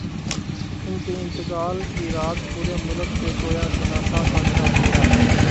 ان کے انتقال کی رات پورے ملک پر گویا سناٹا سا چھا گیا۔